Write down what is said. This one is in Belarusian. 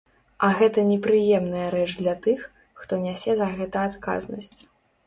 А гэта непрыемная рэч для тых, хто нясе за гэта адказнасць.